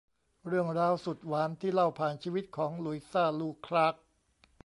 เรื่องราวสุดหวานที่เล่าผ่านชีวิตของ หลุยซ่า ลู คล้าก